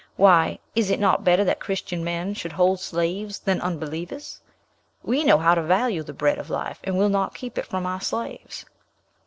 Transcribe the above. Why, is it not better that Christian men should hold slaves than unbelievers? We know how to value the bread of life, and will not keep it from our slaves."